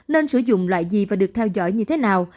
nên sử dụng loại gì và được theo dõi như thế nào